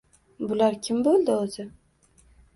«Bular kim bo‘ldi, o‘zi?